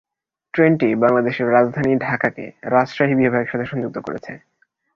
ট্রেনটি বাংলাদেশের রাজধানী ঢাকাকে রাজশাহী বিভাগের সাথে সংযুক্ত করেছে।